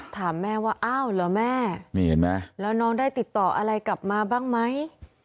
ถามแม่ว่าอ้าวเหรอแม่นี่เห็นไหมแล้วน้องได้ติดต่ออะไรกลับมาบ้างไหม